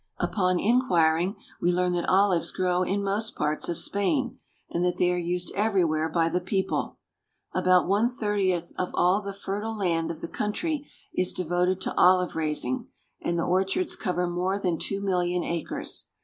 Upon inquiring, we learn that olives grow in most parts of Spain, and that they are used everywhere by the people. About one thirtieth of all the fertile land of the country is devoted to olive raising, and the orchards cover more than two million acres.